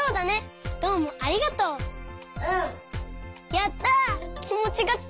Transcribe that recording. やった！